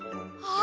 あ。